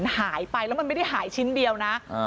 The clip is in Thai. หายไปแล้วมันไม่ได้หายชิ้นเดียวนะ